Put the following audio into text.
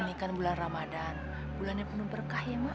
ini kan bulan ramadan bulannya penuh berkah ya mak